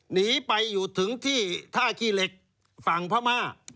หนีไปอยู่ถึงที่ท่าขี้เหล็กฝั่งพม่า